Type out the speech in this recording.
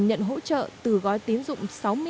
nhận hỗ trợ từ gói tín dụng